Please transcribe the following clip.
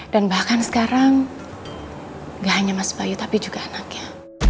dan bahkan sekarang gak hanya mas bayu tapi juga anaknya